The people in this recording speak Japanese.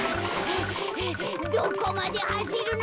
どこまではしるの？